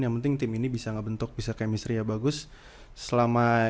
yang penting tim ini bisa ngebentuk bisa chemistry nya bagus selama itu di dalam timnya bagus ya kan